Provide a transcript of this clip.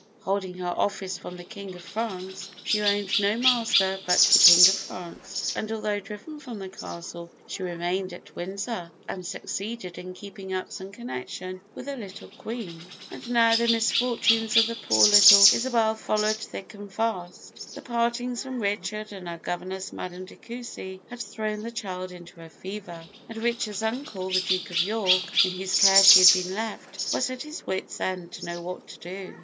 'Holding her office from the King of France, she owned no master but the King of France;' and although driven from the Castle, she remained at Windsor, and succeeded in keeping up some connection with the little Queen. And now the misfortunes of the poor little Isabel followed thick and fast. The partings from Richard and her governess Madame de Coucy, had thrown the child into a fever, and Richard's uncle, the Duke of York, in whose care she had been left, was at his wit's ends to know what to do.